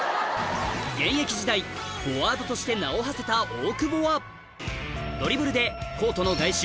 現役時代フォワードとして名をはせた大久保はドリブルでコートの外周